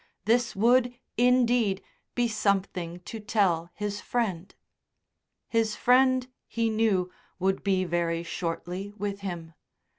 This would, indeed, be something to tell his Friend. His friend, he knew, would be very shortly with him.